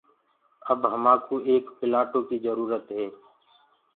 اَب همآنڪوٚ ايڪَ پِلآٽو ڪيٚ جروٚرت هي۔